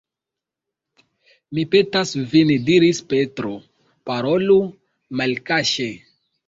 Mi petas vin diris Petro, parolu malkaŝe.